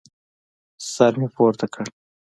سر مې پورته کړ.